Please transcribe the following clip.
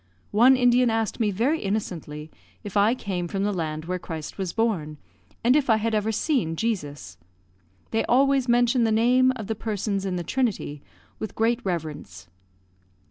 One Indian asked me very innocently if I came from the land where Christ was born, and if I had ever seen Jesus. They always mention the name of the Persons in the Trinity with great reverence.